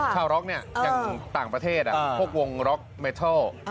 ชาวร็อกเนี่ยอย่างต่างประเทศพวกวงล็อกเมทัล